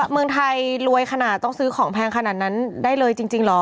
เมืองไทยรวยขนาดต้องซื้อของแพงขนาดนั้นได้เลยจริงเหรอ